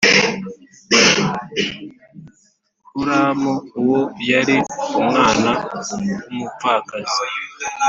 Huramu uwo yari umwana w umupfakazi